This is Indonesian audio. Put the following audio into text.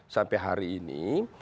sampai hari ini